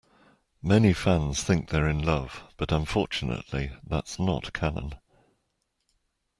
Many fans think they're in love, but unfortunately that's not canon.